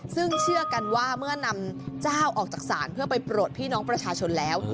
ซึ่งเชื่อกันว่าเมื่อนำเจ้าออกจากศาลเพื่อไปโปรดพี่น้องประชาชนแล้ว